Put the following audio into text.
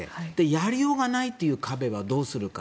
やりようがないという壁はどうするか。